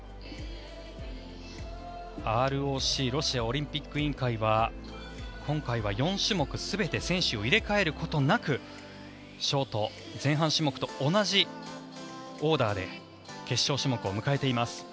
ＲＯＣ・ロシアオリンピック委員会は今回は４種目全て選手を入れ替えることなくショート前半種目と同じオーダーで決勝種目を迎えています。